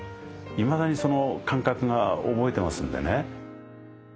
いまだにその感覚が覚えてますんでね。